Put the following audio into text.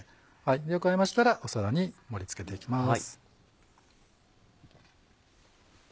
よくあえましたら皿に盛り付けていきます。